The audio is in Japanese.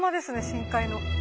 深海の。